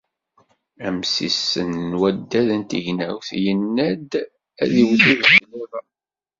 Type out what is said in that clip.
Amsissen n waddad n tegnawt yenna-d ad iwet udfel iḍ-a.